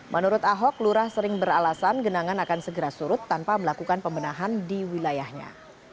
menurut ahok lurah sering beralasan genangan akan segera surut tanpa melakukan pembenahan di wilayahnya